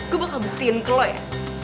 gue bakal buktiin ke lo ya